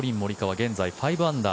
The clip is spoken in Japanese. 現在、５アンダー。